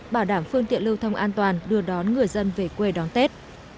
bảo đảm phương tiện lưu thông an toàn đưa đón người dân về quê đón tết